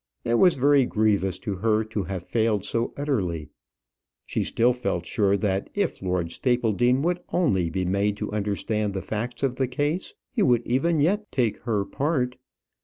It was very grievous to her to have failed so utterly. She still felt sure that if Lord Stapledean would only be made to understand the facts of the case, he would even yet take her part.